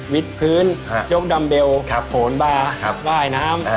พื้นยกดัมเบลโขนบาว่ายน้ำ